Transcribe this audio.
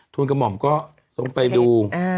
ทุนกับอ๋อมก็สร้างไปดู